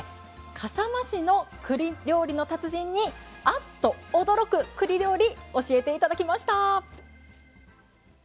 笠間市のくり料理の達人にあっと驚くくり料理教えて頂きました。